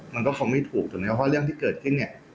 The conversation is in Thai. มันก็คงไม่ถูกเพราะเรื่องที่เกิดขึ้น